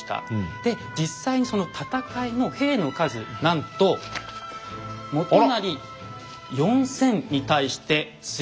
で実際にその戦いの兵の数なんと元就４，０００に対して陶軍は２０，０００と。